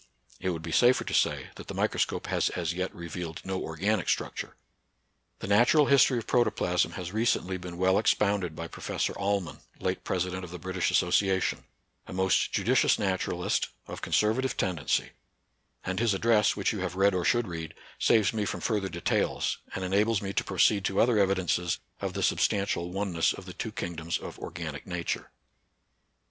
It would be safer to say that the microscope has as yet revealed no organic structure. The natural history of protoplasm has re cently been well expounded by Professor All man, late President of the British Association, a most judicious naturalist, of conservative tendency; and his address, which you have read or should read, saves me from further de tails, and enables me to proceed to other evi dences of the substantial oneness of the two kingdoms of organic nature.